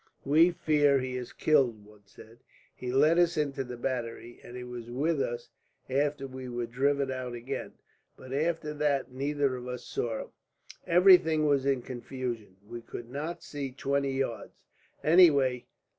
"We fear he is killed," one said. "He led us into the battery, and he was with us after we were driven out again; but after that neither of us saw him. Everything was in confusion. We could not see twenty yards, any way.